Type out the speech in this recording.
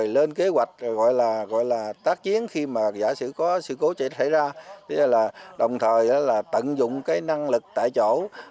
lên kế hoạch tác chiến khi giả sử có sự cố chạy ra đồng thời tận dụng năng lực tại chỗ